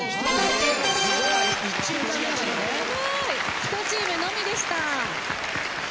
１チームのみでした。